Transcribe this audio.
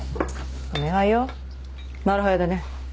お願いよなる早でね。